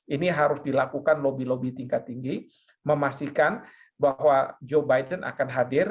ini harus dilakukan lobby lobby tingkat tinggi memastikan bahwa joe biden akan hadir